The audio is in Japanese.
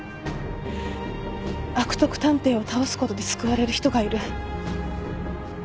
悪徳探偵を倒すことで救われる人がいる。